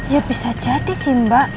ya bisa jadi sih mbak